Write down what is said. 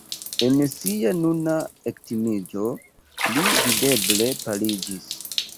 En sia nuna ektimiĝo li videble paliĝis.